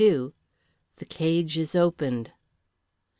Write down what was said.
THE CAGE IS OPENED.